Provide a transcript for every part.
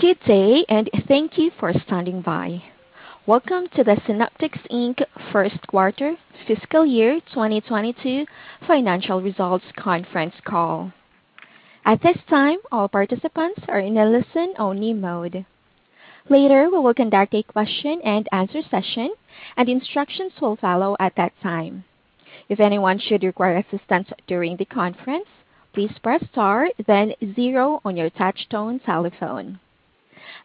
Good day, and thank you for standing by. Welcome to the Synaptics Inc. first quarter fiscal year 2022 financial results conference call. At this time, all participants are in a listen-only mode. Later, we will conduct a question-and-answer session, and instructions will follow at that time. If anyone should require assistance during the conference, please press star 10 zero on your touchtone telephone.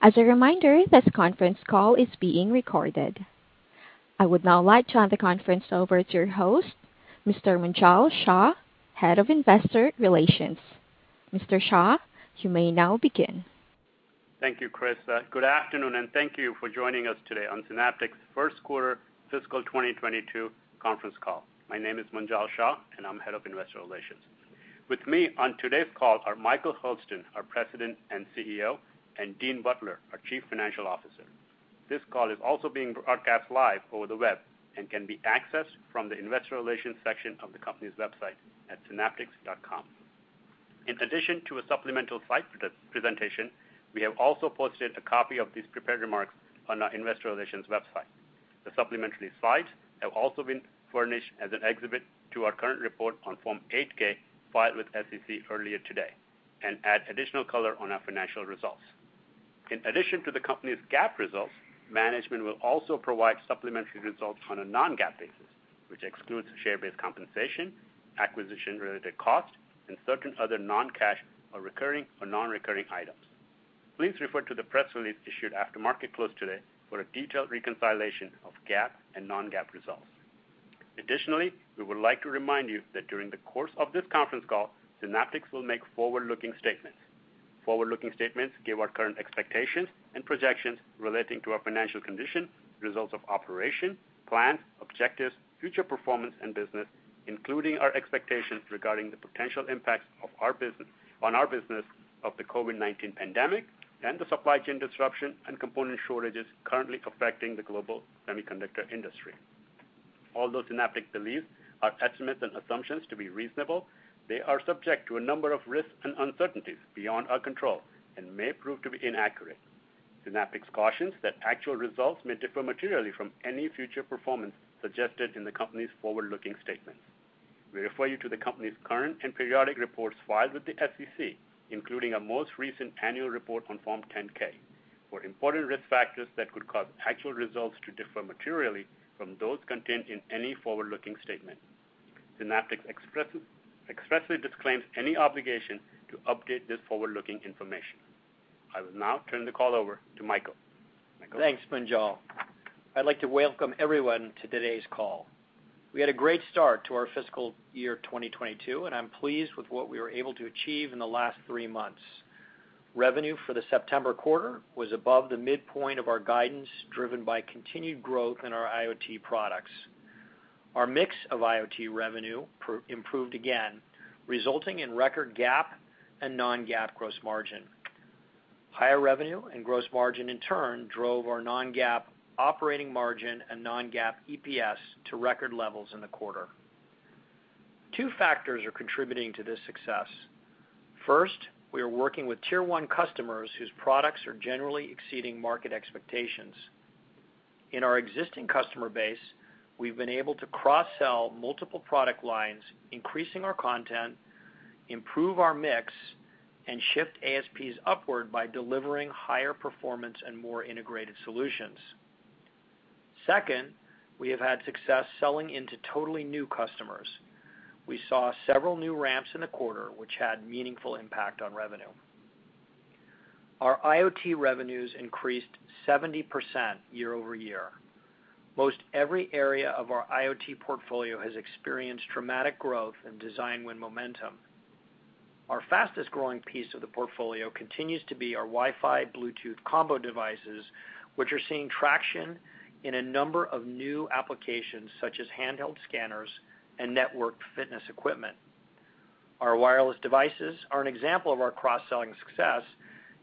As a reminder, this conference call is being recorded. I would now like to hand the conference over to your host, Mr. Munjal Shah, Head of Investor Relations. Mr. Shah, you may now begin. Thank you, Chris. Good afternoon, and thank you for joining us today on Synaptics first quarter fiscal 2022 conference call. My name is Munjal Shah, and I'm Head of Investor Relations. With me on today's call are Michael Hurlston, our President and CEO, and Dean Butler, our Chief Financial Officer. This call is also being broadcast live over the web and can be accessed from the investor relations section of the company's website at synaptics.com. In addition to a supplemental slide presentation, we have also posted a copy of these prepared remarks on our investor relations website. The supplementary slides have also been furnished as an exhibit to our current report on Form 8-K filed with SEC earlier today and add additional color on our financial results. In addition to the company's GAAP results, management will also provide supplementary results on a non-GAAP basis, which excludes share-based compensation, acquisition-related costs, and certain other non-cash or recurring or non-recurring items. Please refer to the press release issued after market close today for a detailed reconciliation of GAAP and non-GAAP results. Additionally, we would like to remind you that during the course of this conference call, Synaptics will make forward-looking statements. Forward-looking statements give our current expectations and projections relating to our financial condition, results of operations, plans, objectives, future performance and business, including our expectations regarding the potential impacts of the COVID-19 pandemic and the supply chain disruption and component shortages currently affecting the global semiconductor industry on our business. Although Synaptics believes our estimates and assumptions to be reasonable, they are subject to a number of risks and uncertainties beyond our control and may prove to be inaccurate. Synaptics cautions that actual results may differ materially from any future performance suggested in the company's forward-looking statements. We refer you to the company's current and periodic reports filed with the SEC, including our most recent annual report on Form 10-K, for important risk factors that could cause actual results to differ materially from those contained in any forward-looking statement. Synaptics expressly disclaims any obligation to update this forward-looking information. I will now turn the call over to Michael. Michael? Thanks, Munjal. I'd like to welcome everyone to today's call. We had a great start to our fiscal year 2022, and I'm pleased with what we were able to achieve in the last three months. Revenue for the September quarter was above the midpoint of our guidance, driven by continued growth in our IoT products. Our mix of IoT revenue improved again, resulting in record GAAP and non-GAAP gross margin. Higher revenue and gross margin in turn drove our non-GAAP operating margin and non-GAAP EPS to record levels in the quarter. Two factors are contributing to this success. First, we are working with tier one customers whose products are generally exceeding market expectations. In our existing customer base, we've been able to cross-sell multiple product lines, increasing our content, improve our mix, and shift ASPs upward by delivering higher performance and more integrated solutions. Second, we have had success selling into totally new customers. We saw several new ramps in the quarter, which had meaningful impact on revenue. Our IoT revenues increased 70% year-over-year. Most every area of our IoT portfolio has experienced dramatic growth in design win momentum. Our fastest growing piece of the portfolio continues to be our Wi-Fi/Bluetooth combo devices, which are seeing traction in a number of new applications, such as handheld scanners and networked fitness equipment. Our wireless devices are an example of our cross-selling success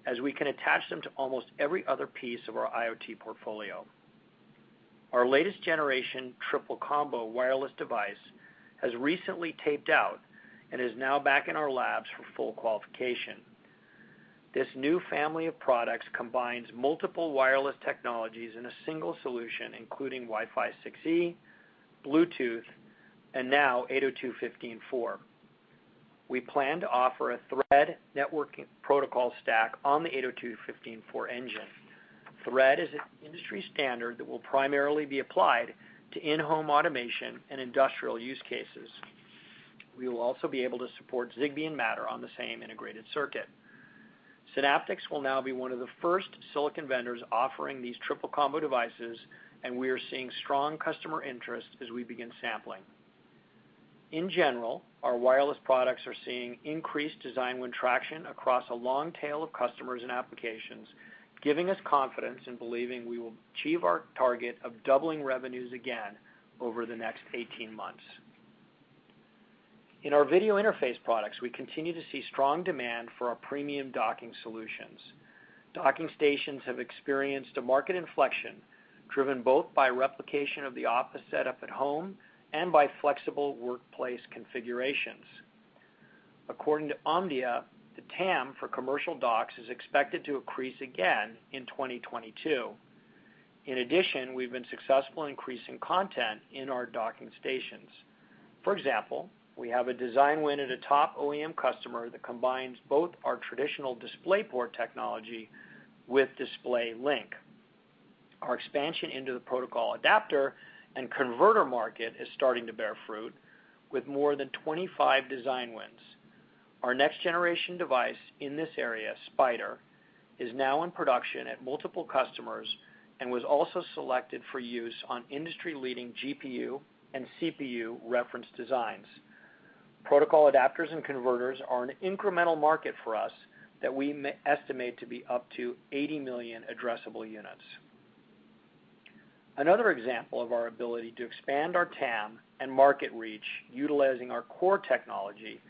as we can attach them to almost every other piece of our IoT portfolio. Our latest generation triple combo wireless device has recently taped out and is now back in our labs for full qualification. This new family of products combines multiple wireless technologies in a single solution, including Wi-Fi 6E, Bluetooth, and now 802.15.4. We plan to offer a Thread networking protocol stack on the 802.15.4 engine. Thread is an industry standard that will primarily be applied to in-home automation and industrial use cases. We will also be able to support Zigbee and Matter on the same integrated circuit. Synaptics will now be one of the first silicon vendors offering these triple combo devices, and we are seeing strong customer interest as we begin sampling. In general, our wireless products are seeing increased design win traction across a long tail of customers and applications, giving us confidence in believing we will achieve our target of doubling revenues again over the next 18 months. In our video interface products, we continue to see strong demand for our premium docking solutions. Docking stations have experienced a market inflection driven both by replication of the office setup at home and by flexible workplace configurations. According to Omdia, the TAM for commercial docks is expected to increase again in 2022. In addition, we've been successful in increasing content in our docking stations. For example, we have a design win at a top OEM customer that combines both our traditional DisplayPort technology with DisplayLink. Our expansion into the protocol adapter and converter market is starting to bear fruit with more than 25 design wins. Our next generation device in this area, Spyder, is now in production at multiple customers and was also selected for use on industry-leading GPU and CPU reference designs. Protocol adapters and converters are an incremental market for us that we estimate to be up to 80 million addressable units. Another example of our ability to expand our TAM and market reach utilizing our core technology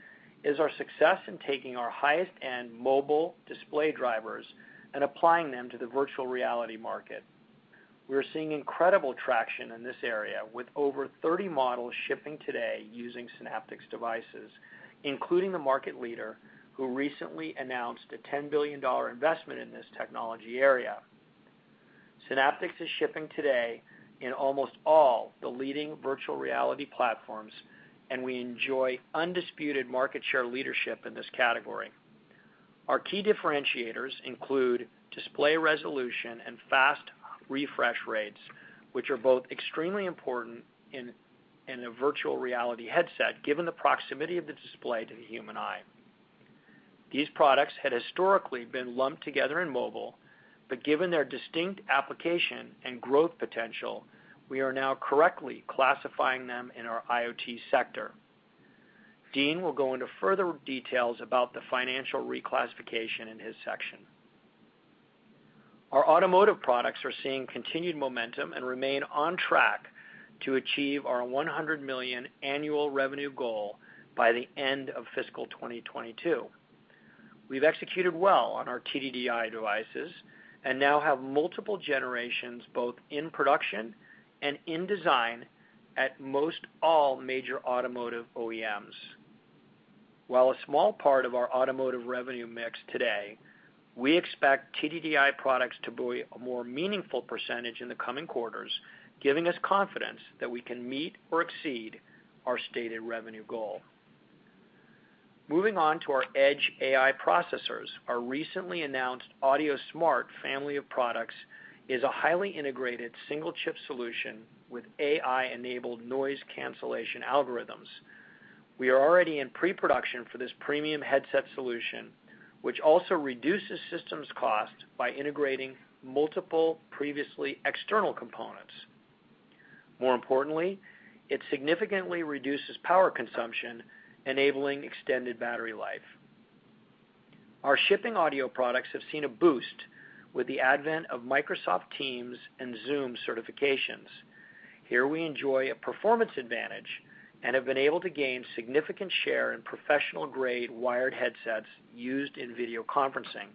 is our success in taking our highest end mobile display drivers and applying them to the virtual reality market. We're seeing incredible traction in this area with over 30 models shipping today using Synaptics devices, including the market leader, who recently announced a $10 billion investment in this technology area. Synaptics is shipping today in almost all the leading virtual reality platforms, and we enjoy undisputed market share leadership in this category. Our key differentiators include display resolution and fast refresh rates, which are both extremely important in a virtual reality headset, given the proximity of the display to the human eye. These products had historically been lumped together in mobile, but given their distinct application and growth potential, we are now correctly classifying them in our IoT sector. Dean will go into further details about the financial reclassification in his section. Our automotive products are seeing continued momentum and remain on track to achieve our $100 million annual revenue goal by the end of fiscal 2022. We've executed well on our TDDI devices and now have multiple generations, both in production and in design at most all major automotive OEMs. While a small part of our automotive revenue mix today, we expect TDDI products to be a more meaningful percentage in the coming quarters, giving us confidence that we can meet or exceed our stated revenue goal. Moving on to our Edge AI processors. Our recently announced AudioSmart family of products is a highly integrated single chip solution with AI-enabled noise cancellation algorithms. We are already in pre-production for this premium headset solution, which also reduces systems cost by integrating multiple previously external components. More importantly, it significantly reduces power consumption, enabling extended battery life. Our shipping audio products have seen a boost with the advent of Microsoft Teams and Zoom certifications. Here we enjoy a performance advantage and have been able to gain significant share in professional-grade wired headsets used in video conferencing.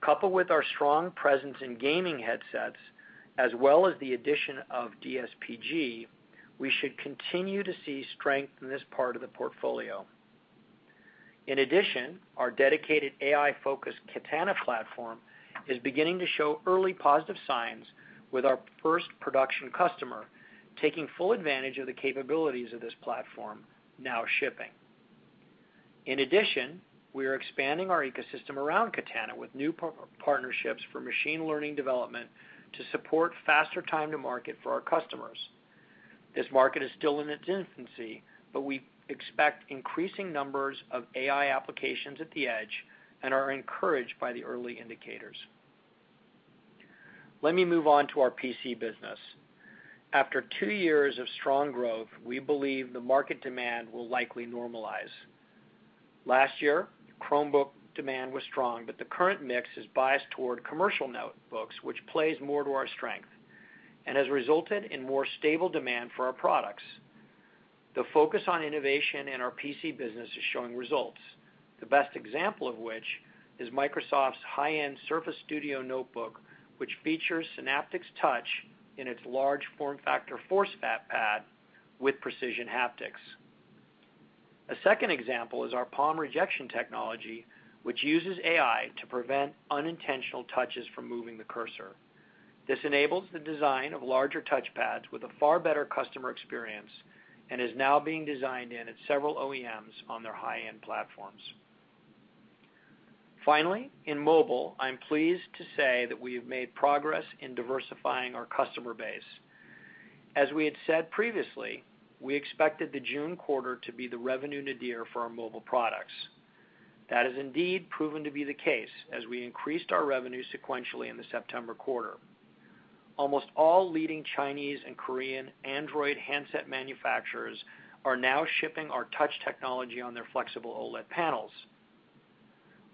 Coupled with our strong presence in gaming headsets, as well as the addition of DSPG, we should continue to see strength in this part of the portfolio. In addition, our dedicated AI-focused Katana platform is beginning to show early positive signs with our first production customer, taking full advantage of the capabilities of this platform now shipping. In addition, we are expanding our ecosystem around Katana with new partnerships for machine learning development to support faster time to market for our customers. This market is still in its infancy, but we expect increasing numbers of AI applications at the edge and are encouraged by the early indicators. Let me move on to our PC business. After two years of strong growth, we believe the market demand will likely normalize. Last year, Chromebook demand was strong, but the current mix is biased toward commercial notebooks, which plays more to our strength and has resulted in more stable demand for our products. The focus on innovation in our PC business is showing results. The best example of which is Microsoft's high-end Surface Laptop Studio notebook, which features Synaptics Touch in its large form factor ForcePad with precision haptics. A second example is our palm rejection technology, which uses AI to prevent unintentional touches from moving the cursor. This enables the design of larger touch pads with a far better customer experience and is now being designed in at several OEMs on their high-end platforms. Finally, in mobile, I'm pleased to say that we have made progress in diversifying our customer base. As we had said previously, we expected the June quarter to be the revenue nadir for our mobile products. That has indeed proven to be the case as we increased our revenue sequentially in the September quarter. Almost all leading Chinese and Korean Android handset manufacturers are now shipping our touch technology on their flexible OLED panels.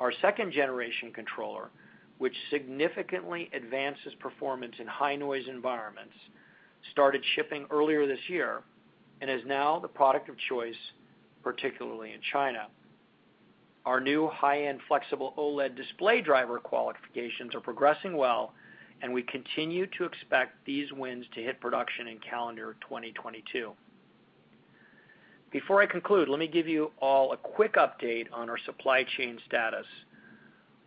Our second generation controller, which significantly advances performance in high noise environments, started shipping earlier this year and is now the product of choice, particularly in China. Our new high-end flexible OLED display driver qualifications are progressing well, and we continue to expect these wins to hit production in calendar 2022. Before I conclude, let me give you all a quick update on our supply chain status.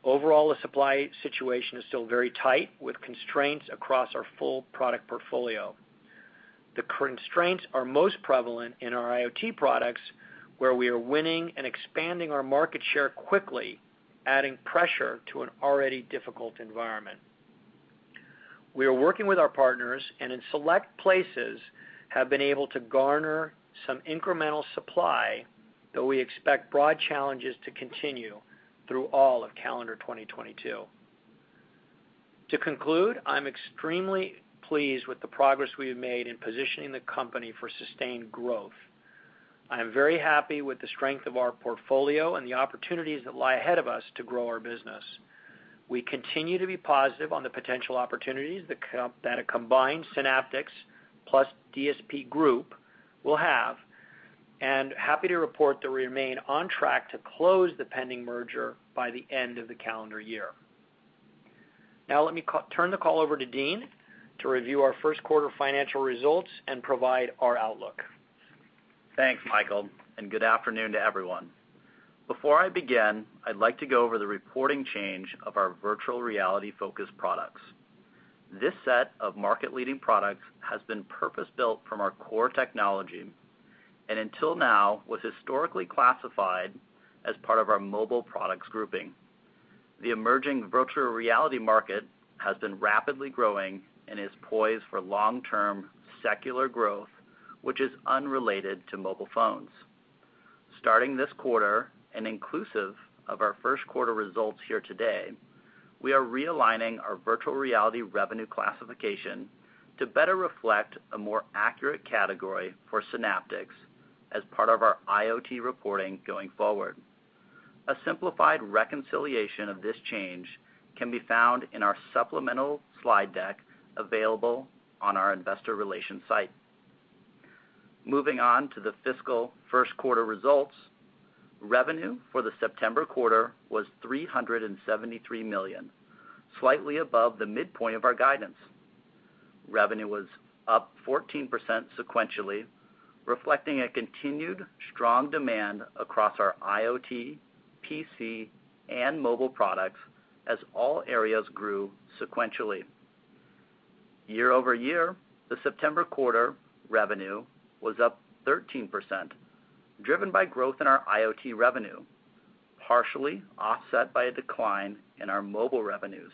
Overall, the supply situation is still very tight, with constraints across our full product portfolio. The constraints are most prevalent in our IoT products, where we are winning and expanding our market share quickly, adding pressure to an already difficult environment. We are working with our partners, and in select places have been able to garner some incremental supply, though we expect broad challenges to continue through all of calendar 2022. To conclude, I'm extremely pleased with the progress we have made in positioning the company for sustained growth. I am very happy with the strength of our portfolio and the opportunities that lie ahead of us to grow our business. We continue to be positive on the potential opportunities that a combined Synaptics plus DSP Group will have, and happy to report that we remain on track to close the pending merger by the end of the calendar year. Now let me turn the call over to Dean to review our first quarter financial results and provide our outlook. Thanks, Michael, and good afternoon to everyone. Before I begin, I'd like to go over the reporting change of our virtual reality-focused products. This set of market-leading products has been purpose-built from our core technology, and until now was historically classified as part of our mobile products grouping. The emerging virtual reality market has been rapidly growing and is poised for long-term secular growth, which is unrelated to mobile phones. Starting this quarter, and inclusive of our first quarter results here today, we are realigning our virtual reality revenue classification to better reflect a more accurate category for Synaptics as part of our IoT reporting going forward. A simplified reconciliation of this change can be found in our supplemental slide deck available on our investor relations site. Moving on to the fiscal first quarter results, revenue for the September quarter was $373 million, slightly above the midpoint of our guidance. Revenue was up 14% sequentially, reflecting a continued strong demand across our IoT, PC, and mobile products as all areas grew sequentially. Year-over-year, the September quarter revenue was up 13%, driven by growth in our IoT revenue, partially offset by a decline in our mobile revenues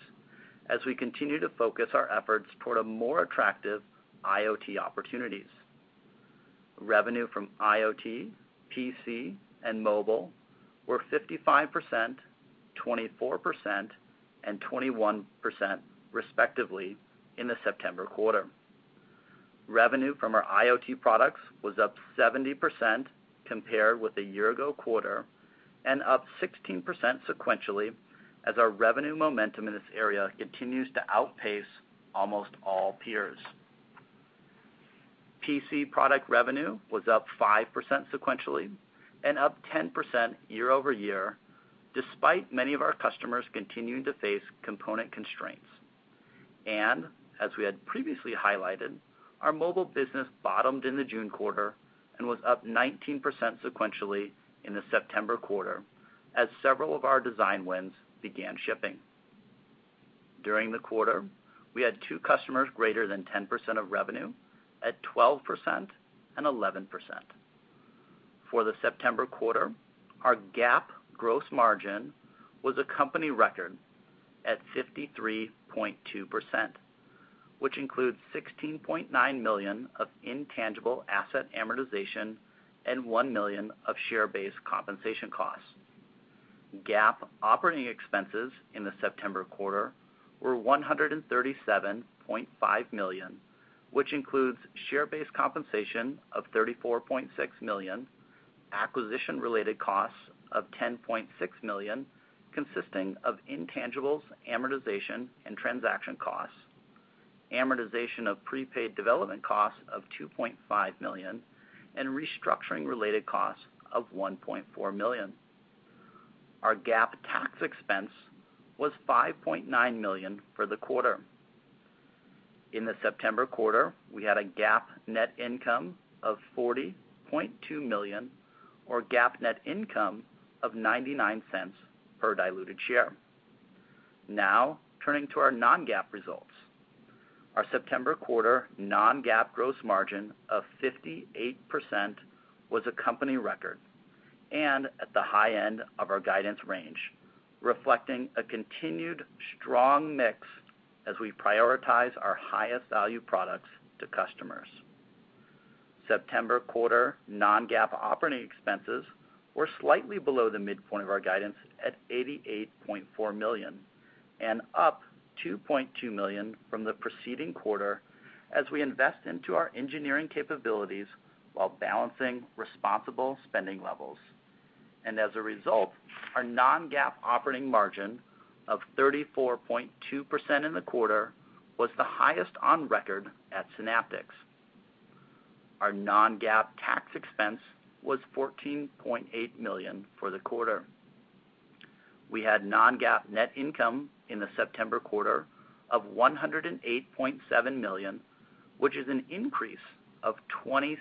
as we continue to focus our efforts toward a more attractive IoT opportunities. Revenue from IoT, PC, and mobile were 55%, 24%, and 21% respectively in the September quarter. Revenue from our IoT products was up 70% compared with the year ago quarter, and up 16% sequentially as our revenue momentum in this area continues to outpace almost all peers. PC product revenue was up 5% sequentially and up 10% year-over-year, despite many of our customers continuing to face component constraints. As we had previously highlighted, our mobile business bottomed in the June quarter and was up 19% sequentially in the September quarter as several of our design wins began shipping. During the quarter, we had two customers greater than 10% of revenue at 12% and 11%. For the September quarter, our GAAP gross margin was a company record at 53.2%, which includes $16.9 million of intangible asset amortization and $1 million of share-based compensation costs. GAAP operating expenses in the September quarter were $137.5 million, which includes share-based compensation of $34.6 million, acquisition related costs of $10.6 million consisting of intangibles, amortization, and transaction costs, amortization of prepaid development costs of $2.5 million, and restructuring related costs of $1.4 million. Our GAAP tax expense was $5.9 million for the quarter. In the September quarter, we had a GAAP net income of $40.2 million or GAAP net income of $0.99 per diluted share. Now, turning to our non-GAAP results. Our September quarter non-GAAP gross margin of 58% was a company record, and at the high end of our guidance range, reflecting a continued strong mix as we prioritize our highest value products to customers. September quarter non-GAAP operating expenses were slightly below the midpoint of our guidance at $88.4 million and up $2.2 million from the preceding quarter as we invest into our engineering capabilities while balancing responsible spending levels. As a result, our non-GAAP operating margin of 34.2% in the quarter was the highest on record at Synaptics. Our non-GAAP tax expense was $14.8 million for the quarter. We had non-GAAP net income in the September quarter of $108.7 million, which is an increase of 26%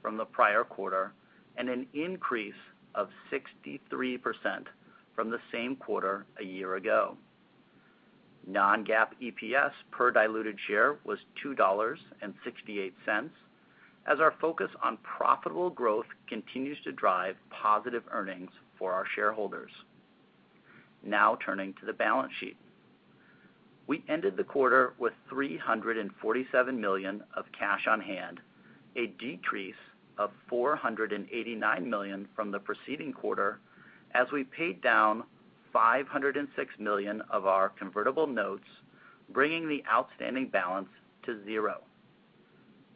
from the prior quarter and an increase of 63% from the same quarter a year ago. Non-GAAP EPS per diluted share was $2.68 as our focus on profitable growth continues to drive positive earnings for our shareholders. Now turning to the balance sheet. We ended the quarter with $347 million of cash on hand, a decrease of $489 million from the preceding quarter as we paid down $506 million of our convertible notes, bringing the outstanding balance to zero.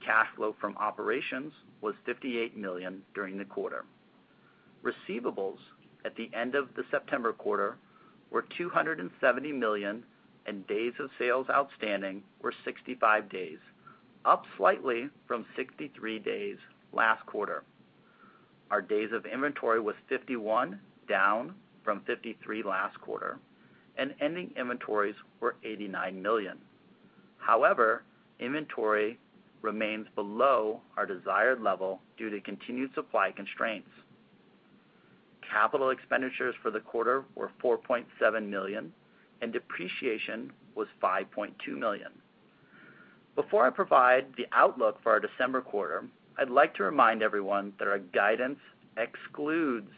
Cash flow from operations was $58 million during the quarter. Receivables at the end of the September quarter were $270 million, and days of sales outstanding were 65 days, up slightly from 63 days last quarter. Our days of inventory was 51, down from 53 last quarter, and ending inventories were $89 million. However, inventory remains below our desired level due to continued supply constraints. Capital expenditures for the quarter were $4.7 million, and depreciation was $5.2 million. Before I provide the outlook for our December quarter, I'd like to remind everyone that our guidance excludes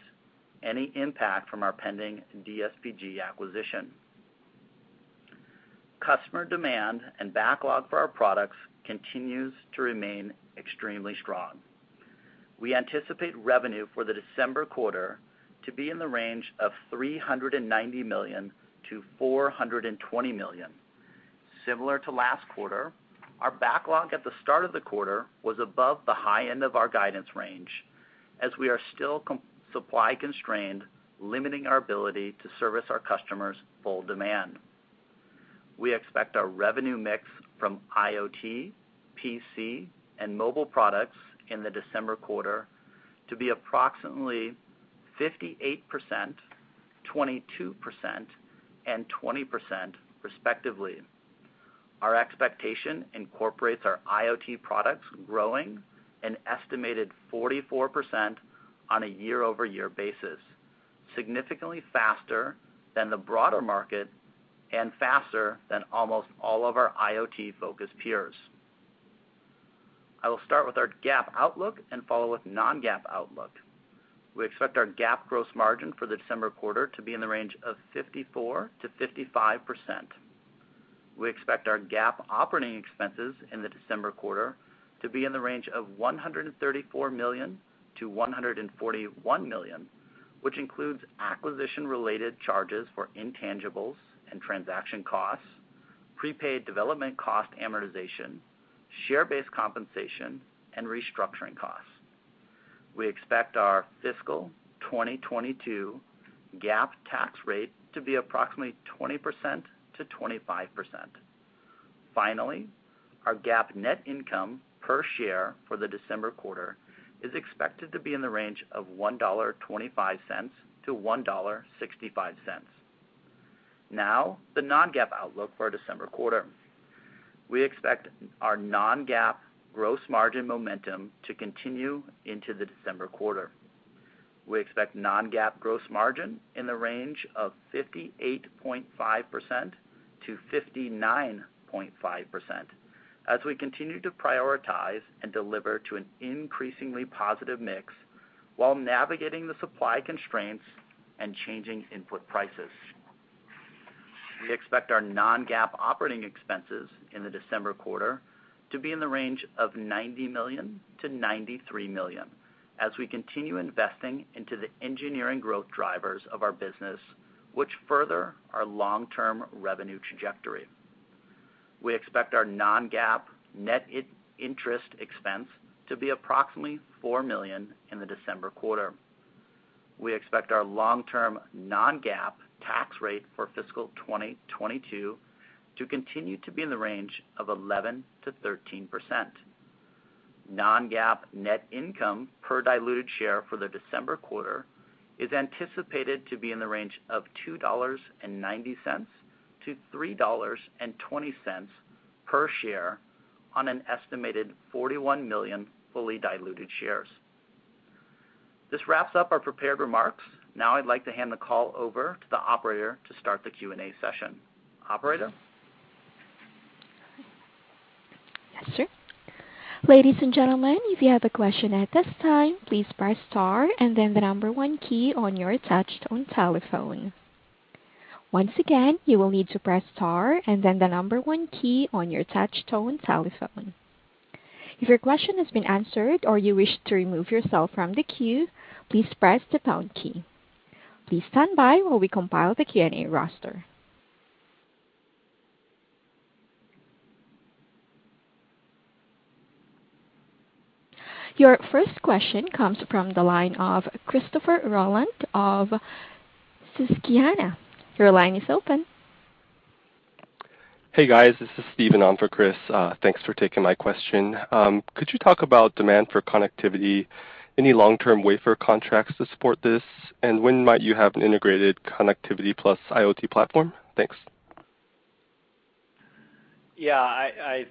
any impact from our pending DSPG acquisition. Customer demand and backlog for our products continues to remain extremely strong. We anticipate revenue for the December quarter to be in the range of $390 million-$420 million. Similar to last quarter, our backlog at the start of the quarter was above the high end of our guidance range as we are still supply constrained, limiting our ability to service our customers' full demand. We expect our revenue mix from IoT, PC, and mobile products in the December quarter to be approximately 58%, 22%, and 20% respectively. Our expectation incorporates our IoT products growing an estimated 44% on a year-over-year basis, significantly faster than the broader market and faster than almost all of our IoT-focused peers. I will start with our GAAP outlook and follow with non-GAAP outlook. We expect our GAAP gross margin for the December quarter to be in the range of 54%-55%. We expect our GAAP operating expenses in the December quarter to be in the range of $134 million-$141 million, which includes acquisition-related charges for intangibles and transaction costs, prepaid development cost amortization, share-based compensation, and restructuring costs. We expect our fiscal 2022 GAAP tax rate to be approximately 20%-25%. Finally, our GAAP net income per share for the December quarter is expected to be in the range of $1.25-$1.65. Now the non-GAAP outlook for our December quarter. We expect our non-GAAP gross margin momentum to continue into the December quarter. We expect non-GAAP gross margin in the range of 58.5%-59.5% as we continue to prioritize and deliver to an increasingly positive mix while navigating the supply constraints and changing input prices. We expect our non-GAAP operating expenses in the December quarter to be in the range of $90 million-$93 million as we continue investing into the engineering growth drivers of our business, which further our long-term revenue trajectory. We expect our non-GAAP net interest expense to be approximately $4 million in the December quarter. We expect our long-term non-GAAP tax rate for fiscal 2022 to continue to be in the range of 11%-13%. Non-GAAP net income per diluted share for the December quarter is anticipated to be in the range of $2.90-$3.20 per share on an estimated 41 million fully diluted shares. This wraps up our prepared remarks. Now I'd like to hand the call over to the operator to start the Q&A session. Operator? Yes, sir. Ladies and gentlemen, if you have a question at this time, please press star and then the number one key on your touch tone telephone. Once again, you will need to press star and then the number one key on your touch tone telephone. If your question has been answered or you wish to remove yourself from the queue, please press the pound key. Please stand by while we compile the Q&A roster. Your first question comes from the line of Christopher Rolland of Susquehanna. Your line is open. Hey guys, this is Steve Enom for Chris. Thanks for taking my question. Could you talk about demand for connectivity? Any long-term wafer contracts to support this, and when might you have an integrated connectivity plus IoT platform? Thanks. Yeah. You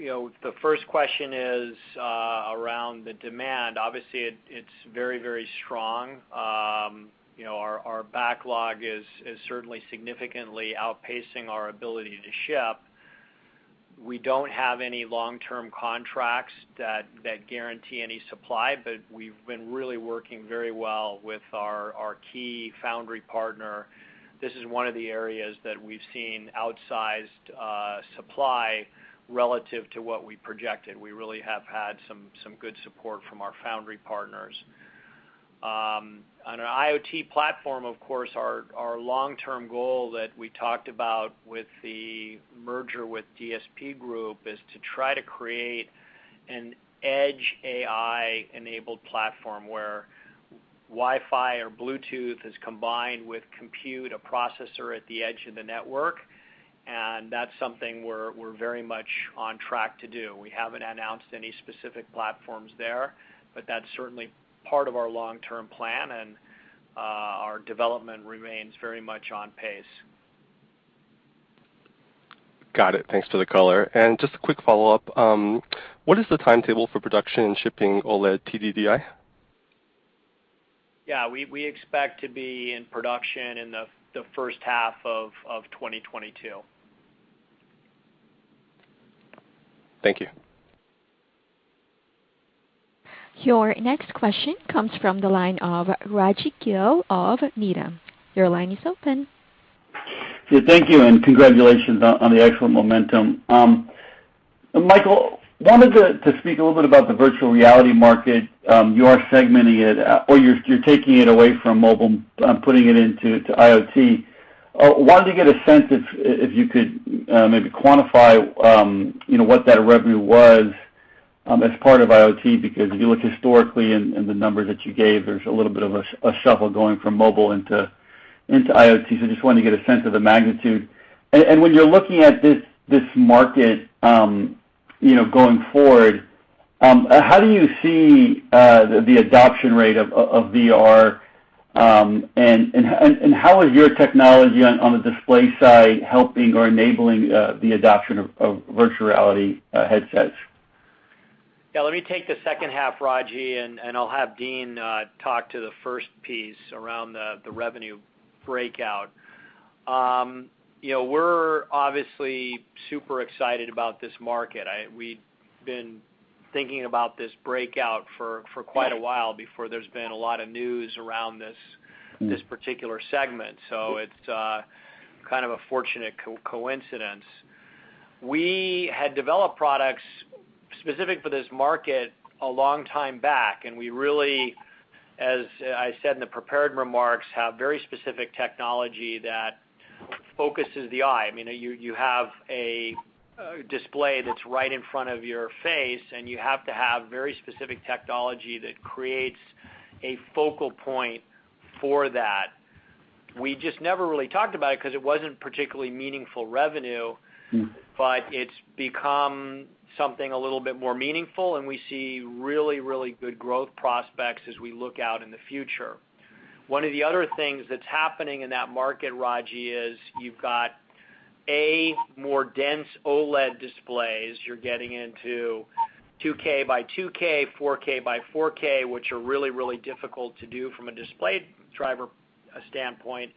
know, the first question is around the demand. Obviously it's very, very strong. You know, our backlog is certainly significantly outpacing our ability to ship. We don't have any long-term contracts that guarantee any supply, but we've been really working very well with our key foundry partner. This is one of the areas that we've seen outsized supply relative to what we projected. We really have had some good support from our foundry partners. On our IoT platform, of course, our long-term goal that we talked about with the merger with DSP Group is to try to create an edge AI-enabled platform where Wi-Fi or Bluetooth is combined with compute, a processor at the edge of the network, and that's something we're very much on track to do. We haven't announced any specific platforms there, but that's certainly part of our long-term plan, and our development remains very much on pace. Got it. Thanks for the color. Just a quick follow-up. What is the timetable for production and shipping OLED TDDI? Yeah. We expect to be in production in the first half of 2022. Thank you. Your next question comes from the line of Rajee Giol of Mirae. Your line is open. Yeah, thank you, and congratulations on the excellent momentum. Michael, I wanted to speak a little bit about the virtual reality market. You are segmenting it, or you're taking it away from mobile and putting it into IoT. I wanted to get a sense if you could maybe quantify, you know, what that revenue was as part of IoT, because if you look historically in the numbers that you gave, there's a little bit of a shuffle going from mobile into IoT. Just wanted to get a sense of the magnitude. When you're looking at this market, you know, going forward, how do you see the adoption rate of VR, and how is your technology on the display side helping or enabling the adoption of virtual reality headsets? Yeah. Let me take the second half, Rajeev, and I'll have Dean talk to the first piece around the revenue breakout. You know, we're obviously super excited about this market. We'd been thinking about this breakout for quite a while before there's been a lot of news around this particular segment. It's kind of a fortunate coincidence. We had developed products specific for this market a long time back, and we really, as I said in the prepared remarks, have very specific technology that focuses the eye. I mean, you have a display that's right in front of your face, and you have to have very specific technology that creates a focal point for that. We just never really talked about it 'cause it wasn't particularly meaningful revenue. Mm. It's become something a little bit more meaningful, and we see really, really good growth prospects as we look out in the future. One of the other things that's happening in that market, Rajeev, is you've got a more dense OLED displays. You're getting into 2K by 2K, 4K by 4K, which are really, really difficult to do from a display driver standpoint.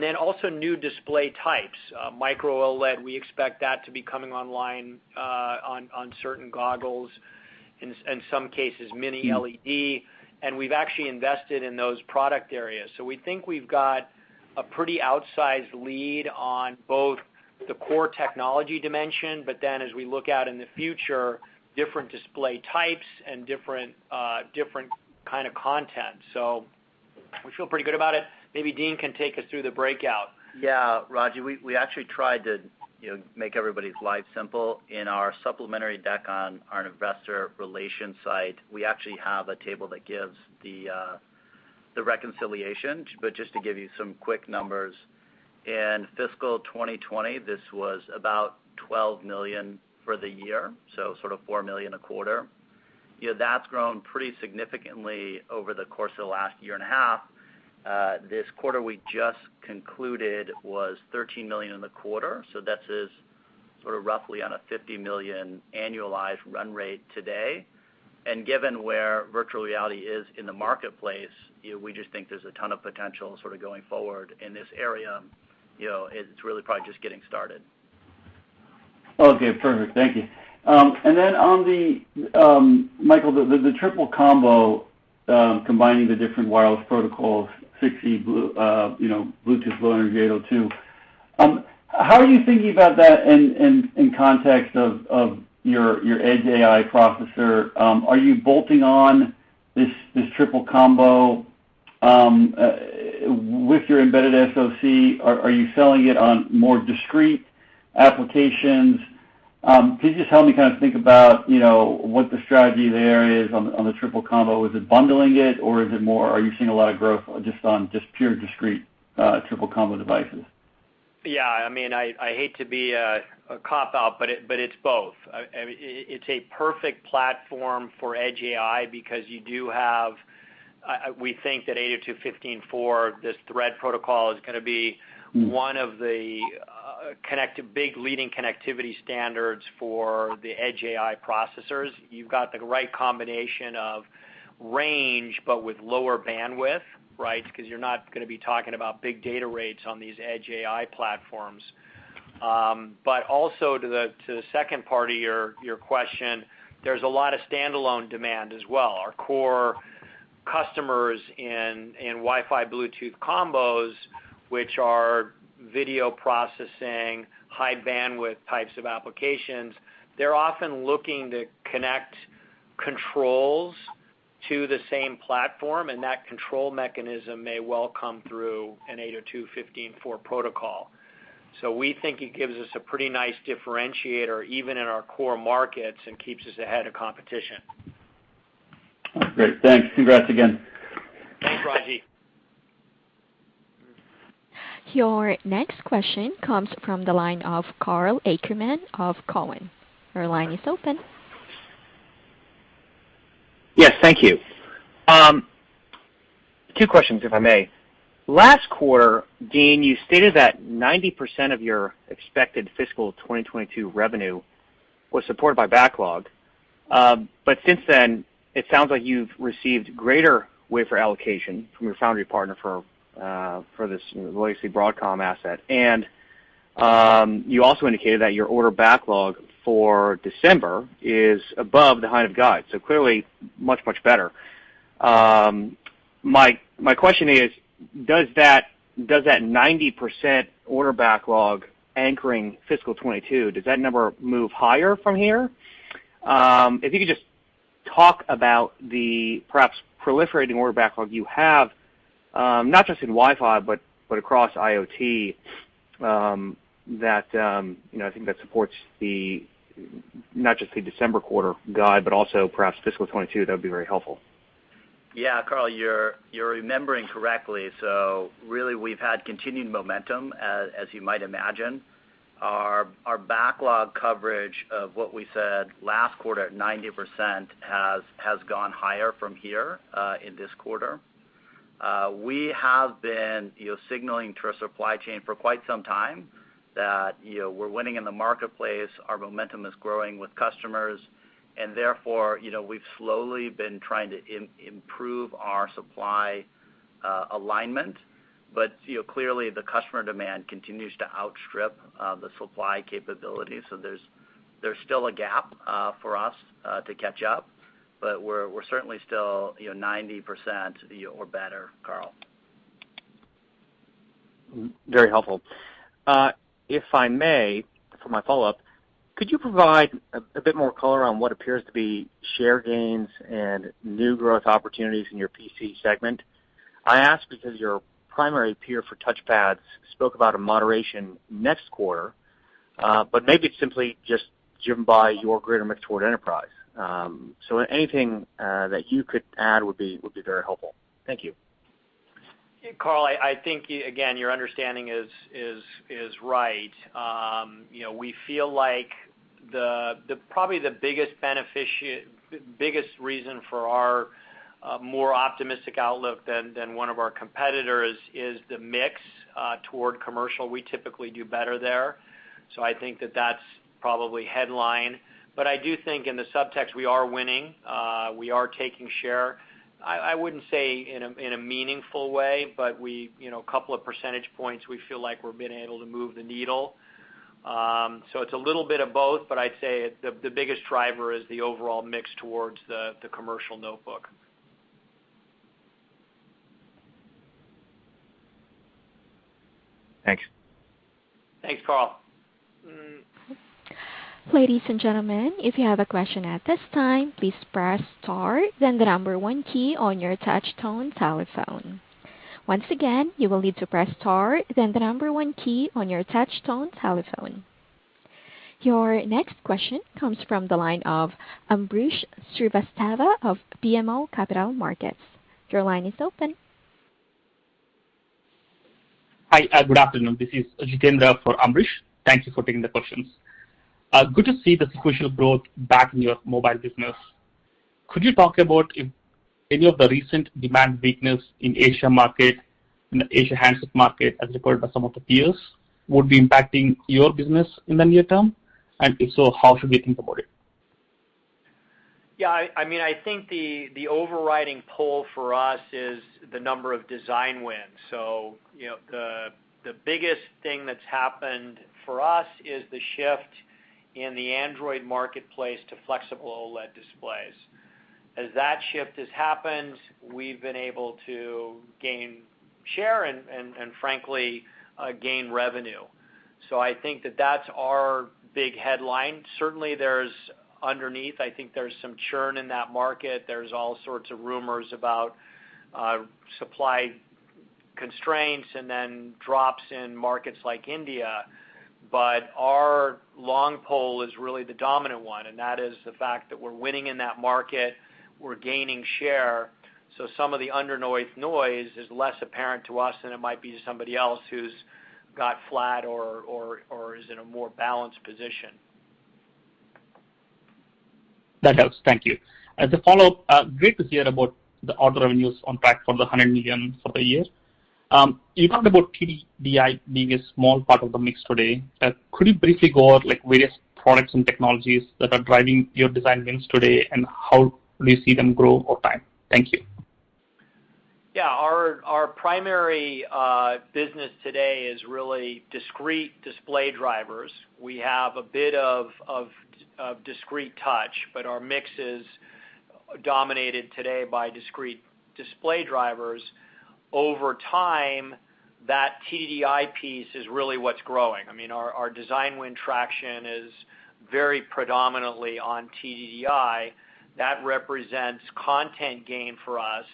Then also new display types. micro OLED, we expect that to be coming online on certain goggles, in some cases mini LED. We've actually invested in those product areas. We think we've got a pretty outsized lead on both the core technology dimension, but then as we look out in the future, different display types and different kind of content. We feel pretty good about it. Maybe Dean can take us through the breakout. Yeah. Rajeev, we actually tried to, you know, make everybody's life simple. In our supplementary deck on our investor relations site, we actually have a table that gives the reconciliation. But just to give you some quick numbers, in fiscal 2020, this was about $12 million for the year, so sort of $4 million a quarter. You know, that's grown pretty significantly over the course of the last year and a half. This quarter we just concluded was $13 million in the quarter, so that is sort of roughly on a $50 million annualized run rate today. Given where virtual reality is in the marketplace, you know, we just think there's a ton of potential sort of going forward in this area. You know, it's really probably just getting started. Okay, perfect. Thank you. Then on the Michael, the triple combo, combining the different wireless protocols, Wi-Fi 6E, Bluetooth Low Energy, 802.15.4. How are you thinking about that in context of your edge AI processor? Are you bolting on this triple combo with your embedded SoC? Are you selling it on more discrete applications? Could you just help me kind of think about, you know, what the strategy there is on the triple combo? Is it bundling it or is it more, are you seeing a lot of growth just on pure discrete triple combo devices? Yeah, I mean, I hate to be a cop-out, but it's both. It's a perfect platform for Edge AI because you do have we think that 802.15.4, this Thread protocol, is gonna be one of the connect to big leading connectivity standards for the Edge AI processors. You've got the right combination of range but with lower bandwidth, right? Because you're not gonna be talking about big data rates on these Edge AI platforms. But also to the second part of your question, there's a lot of standalone demand as well. Our core customers in Wi-Fi/Bluetooth combos, which are video processing, high bandwidth types of applications, they're often looking to connect controls to the same platform, and that control mechanism may well come through an 802.15.4 protocol. We think it gives us a pretty nice differentiator, even in our core markets, and keeps us ahead of competition. Great. Thanks. Congrats again. Thanks, Rajeev. Your next question comes from the line of Karl Ackerman of Cowen. Your line is open. Yes, thank you. Two questions, if I may. Last quarter, Dean, you stated that 90% of your expected fiscal 2022 revenue was supported by backlog. But since then, it sounds like you've received greater wafer allocation from your foundry partner for this legacy Broadcom asset. You also indicated that your order backlog for December is above the high end of guide, so clearly much, much better. My question is, does that 90% order backlog anchoring fiscal 2022, does that number move higher from here? If you could just talk about the perhaps proliferating order backlog you have, not just in Wi-Fi but across IoT, you know, I think that supports not just the December quarter guide, but also perhaps fiscal 2022, that would be very helpful. Yeah, Karl, you're remembering correctly. Really we've had continued momentum, as you might imagine. Our backlog coverage of what we said last quarter at 90% has gone higher from here in this quarter. We have been you know signaling to our supply chain for quite some time that you know we're winning in the marketplace, our momentum is growing with customers, and therefore you know we've slowly been trying to improve our supply alignment. You know clearly the customer demand continues to outstrip the supply capability. There's still a gap for us to catch up, but we're certainly still you know 90% you know or better, Karl. Very helpful. If I may, for my follow-up, could you provide a bit more color on what appears to be share gains and new growth opportunities in your PC segment? I ask because your primary peer for touch pads spoke about a moderation next quarter, but maybe it's simply just driven by your greater mix toward enterprise. Anything that you could add would be very helpful. Thank you. Karl, I think, again, your understanding is right. You know, we feel like probably the biggest reason for our more optimistic outlook than one of our competitors is the mix toward commercial. We typically do better there. I think that's probably headline. But I do think in the subtext, we are winning, we are taking share. I wouldn't say in a meaningful way, but you know, a couple of percentage points, we feel like we're being able to move the needle. It's a little bit of both, but I'd say the biggest driver is the overall mix toward the commercial notebook. Thanks. Thanks, Karl. Ladies and gentlemen, if you have a question at this time, please press star then the number one key on your touch tone telephone. Once again, you will need to press star then the number one key on your touch tone telephone. Your next question comes from the line of Ambrish Srivastava of BMO Capital Markets. Your line is open. Hi, good afternoon. This is Jitendra for Ambrish. Thank you for taking the questions. Good to see the sequential growth back in your mobile business. Could you talk about if any of the recent demand weakness in the Asia market, in the Asia handset market as reported by some of the peers, would be impacting your business in the near term? And if so, how should we think about it? I mean, I think the overriding pull for us is the number of design wins. You know, the biggest thing that's happened for us is the shift in the Android marketplace to flexible OLED displays. As that shift has happened, we've been able to gain share and frankly gain revenue. I think that that's our big headline. Certainly, there's underneath, I think there's some churn in that market. There's all sorts of rumors about supply constraints and then drops in markets like India. But our long pole is really the dominant one, and that is the fact that we're winning in that market. We're gaining share. Some of the under noise is less apparent to us than it might be to somebody else who's got flat or is in a more balanced position. That helps. Thank you. As a follow-up, great to hear about the other revenues on track for the $100 million for the year. You talked about TDDI being a small part of the mix today. Could you briefly go over like various products and technologies that are driving your design wins today and how do you see them grow over time? Thank you. Yeah. Our primary business today is really discrete display drivers. We have a bit of discrete touch, but our mix is dominated today by discrete display drivers. Over time, that TDDI piece is really what's growing. I mean, our design win traction is very predominantly on TDDI. That represents content gain for us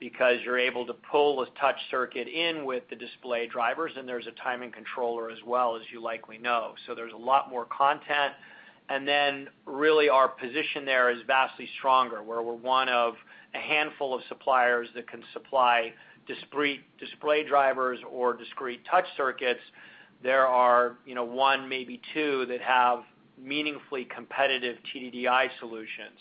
because you're able to pull a touch circuit in with the display drivers, and there's a timing controller as well, as you likely know. There's a lot more content. Really our position there is vastly stronger, where we're one of a handful of suppliers that can supply discrete display drivers or discrete touch circuits. There are, you know, one, maybe two that have meaningfully competitive TDDI solutions.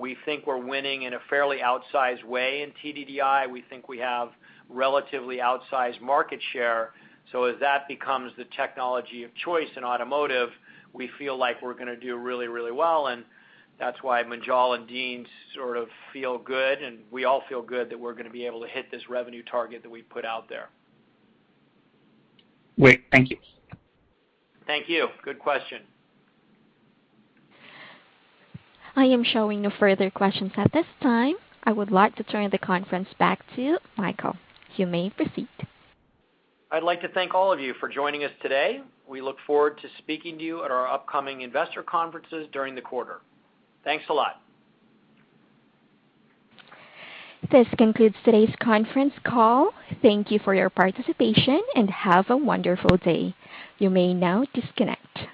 We think we're winning in a fairly outsized way in TDDI. We think we have relatively outsized market share. As that becomes the technology of choice in automotive, we feel like we're gonna do really, really well, and that's why Majal and Dean sort of feel good, and we all feel good that we're gonna be able to hit this revenue target that we put out there. Great. Thank you. Thank you. Good question. I am showing no further questions at this time. I would like to turn the conference back to Michael. You may proceed. I'd like to thank all of you for joining us today. We look forward to speaking to you at our upcoming investor conferences during the quarter. Thanks a lot. This concludes today's conference call. Thank you for your participation, and have a wonderful day. You may now disconnect.